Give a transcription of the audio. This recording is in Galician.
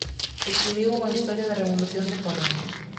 Escribiu unha historia da revolución de Polonia.